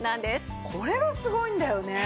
これがすごいんだよね。